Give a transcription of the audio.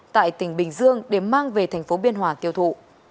tại tỉnh bình dương để mang về thành phố biên hòa tiêu thụ